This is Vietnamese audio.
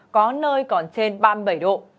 có nơi còn trên ba mươi bảy độ